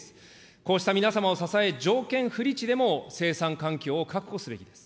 こうした皆様を支え、条件不利地でも生産環境を確保すべきです。